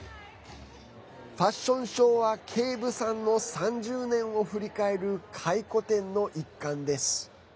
ファッションショーはケイブさんの３０年を振り返る回顧展の一環です。